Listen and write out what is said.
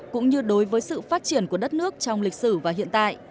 cũng như đối với sự phát triển của đất nước trong lịch sử và hiện tại